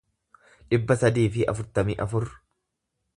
dhibba sadii fi afurtamii afur